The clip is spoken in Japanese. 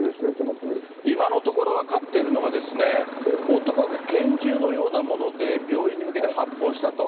今のところ分かっているのがですね、男が拳銃のようなもので病院に向けて発砲したと。